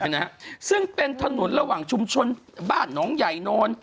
นะฮะซึ่งเป็นถนนระหว่างชุมชนบ้านหนองใหญ่โน้น